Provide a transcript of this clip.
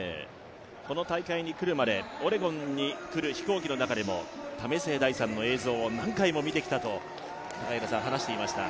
この大会に来るまで、オレゴンに来る飛行機の中でも、為末大さんの映像を何回も見てきたと話していました。